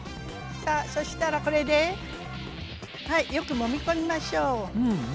さあそしたらこれではいよくもみ込みましょう。